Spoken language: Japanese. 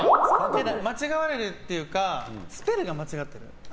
間違われるっていうかスペルが間違ってる。